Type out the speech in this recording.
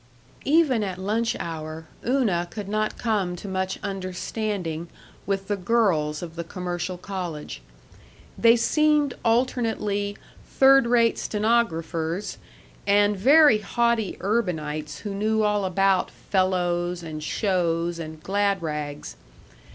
Even at lunch hour Una could not come to much understanding with the girls of the commercial college. They seemed alternately third rate stenographers, and very haughty urbanites who knew all about "fellows" and "shows" and "glad rags."